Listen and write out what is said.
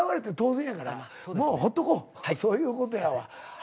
そういうことやわ。